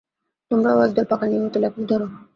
তোমরাও একদল পাকা নিয়মিত লেখক ধর।